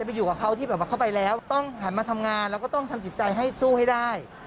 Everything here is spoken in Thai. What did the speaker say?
เราก็ต้องทำกิจใจสู้ให้ได้